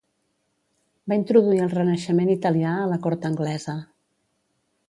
Va introduir el Renaixement italià a la cort anglesa.